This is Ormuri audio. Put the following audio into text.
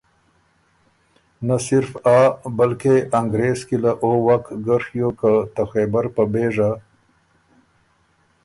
نۀ صرف آ بلکې انګرېز کی له او وک ګۀ ڒیوک که ته خېبر په بېژه